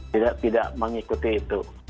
tidak mengikuti itu